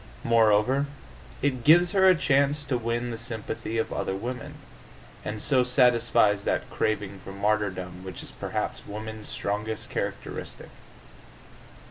Moreover, it gives her a chance to win the sympathy of other women, and so satisfies that craving for martyrdom which is perhaps woman's strongest characteristic.